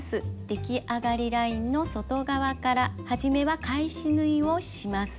できあがりラインの外側から初めは返し縫いをします。